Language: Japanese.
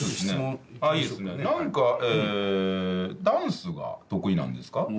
ダンスが得意なんですか？